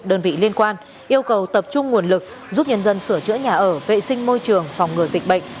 đơn vị liên quan yêu cầu tập trung nguồn lực giúp nhân dân sửa chữa nhà ở vệ sinh môi trường phòng ngừa dịch bệnh